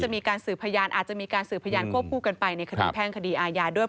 มีการสืบพยานอาจจะมีการสืบพยานควบคู่กันไปในคดีแพ่งคดีอาญาด้วย